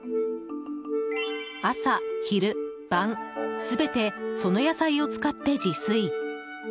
朝昼晩全てその野菜を使って自炊。